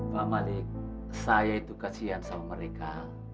pak malik saya itu kasihan sama mereka